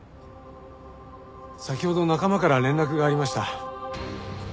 先ほど仲間から連絡がありました。